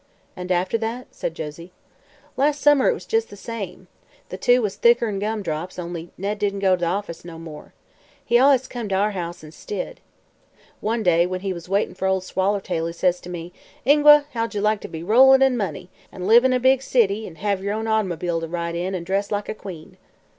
"And after that?" said Josie. "Las' summer it was jes' the same. The two was thicker'n gumdrops, only Ned didn't go to the office no more. He allus came to our house instid. One day, when he was waitin' fer Ol' Swallertail, he says to me: 'Ingua, how'd ye like to be rollin' in money, an' Jive in a big city, an' hev yer own automobile to ride in, an' dress like a queen?'